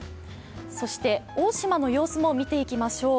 そして大島の様子も見ていきましょう。